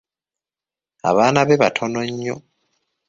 Abaana be batono nnyo.